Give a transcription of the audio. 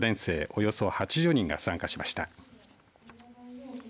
およそ８０人が参加しました。